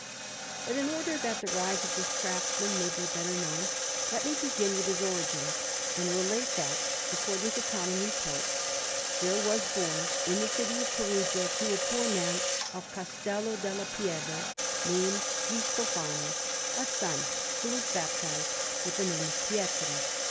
Panel_)] But in order that the rise of this craftsman may be better known, let me begin with his origin, and relate that, according to common report, there was born in the city of Perugia, to a poor man of Castello della Pieve, named Cristofano, a son who was baptized with the name of Pietro.